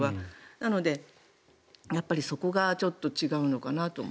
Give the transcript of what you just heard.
なので、そこがちょっと違うのかなと。